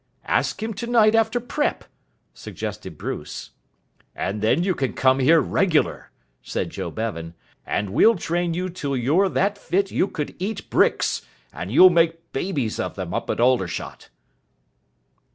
"Ask him tonight after prep.," suggested Bruce. "And then you can come here regular," said Joe Bevan, "and we'll train you till you're that fit you could eat bricks, and you'll make babies of them up at Aldershot."